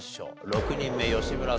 ６人目吉村さん